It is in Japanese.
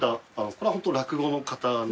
これはホント落語の方の。